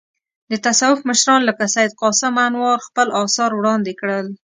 د تصوف مشران لکه سید قاسم انوار خپل اثار وړاندې کړل.